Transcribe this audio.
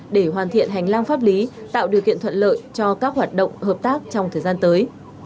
để hoàn thiện hành lang pháp lý tạo điều kiện thuận lợi cho các hoạt động hợp tác trong thời gian tới